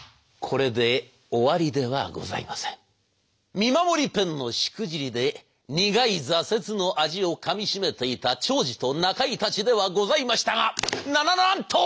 見守りペンのしくじりで苦い挫折の味をかみしめていた長司と中井たちではございましたがなななんと！